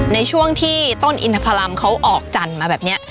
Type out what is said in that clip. ในช่วงที่ต้นอินทพรรมเขาออกจันทร์มาแบบนี้